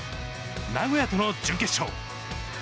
名古屋との準決勝。